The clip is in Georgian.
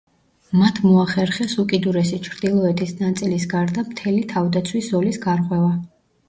მათ მოახერხეს უკიდურესი ჩრდილოეთის ნაწილის გარდა მთელი თავდაცვის ზოლის გარღვევა.